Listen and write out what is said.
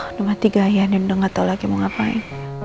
udah mati gaya udah gak tau lagi mau ngapain